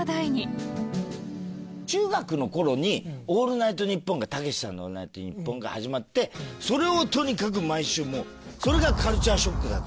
中学の頃に『オールナイトニッポン』がたけしさんの『オールナイトニッポン』が始まってそれをとにかく毎週もうそれがカルチャーショックだったんですよ。